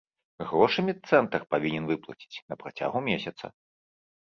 Грошы медцэнтр павінен выплаціць на працягу месяца.